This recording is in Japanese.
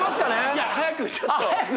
いや早くちょっと早く？